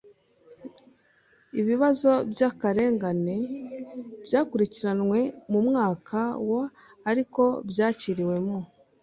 Ibibazo by akarengane byakurikiranywe mu mwaka wa ariko byarakiriwe mu